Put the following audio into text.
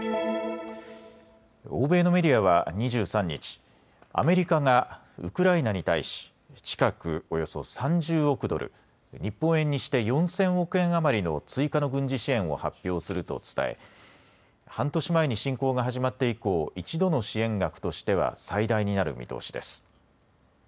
欧米のメディアは２３日、アメリカがウクライナに対し近くおよそ３０億ドル日本円にして４０００億円余りの追加の軍事支援を発表すると伝え半年前に侵攻が始まって以降１度の支援額としては最大になる見通しです。